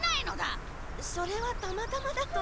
それはたまたまだと思います。